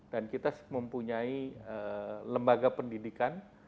dan kita mempunyai lembaga pendidikan